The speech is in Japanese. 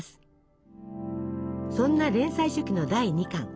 そんな連載初期の第２巻。